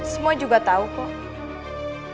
semua juga tau kok